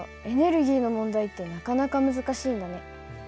エネルギーの問題ってなかなか難しいんだね。